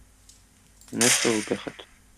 Нәрсә ул бәхет?